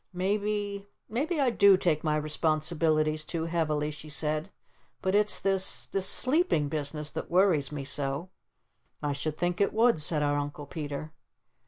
"Maybe Maybe I DO take my responsibilities too heavily," she said. "But it's this this sleeping business that worries me so." "I should think it would," said our Uncle Peter.